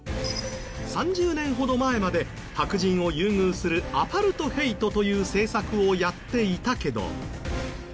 ３０年ほど前まで白人を優遇するアパルトヘイトという政策をやっていたけど。